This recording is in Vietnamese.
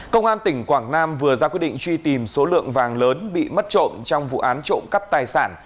công an tỉnh quảng nam vừa ra quyết định truy tìm số lượng vàng lớn bị mất trộm trong vụ án trộm cắp tài sản